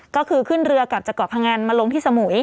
ก็คือขึ้นเรือกลับจากเกาะพังอันมาลงที่สมุย